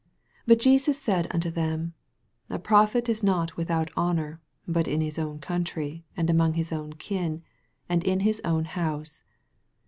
4 But Jesus said unto them, A pro phet is not without honor, but in his own country, and among his own kin, and in his own honse.